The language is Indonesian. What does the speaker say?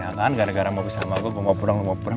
ya kan gara gara mau bersama gue gue mau pulang lu mau pulang